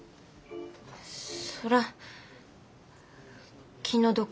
そら気の毒やな。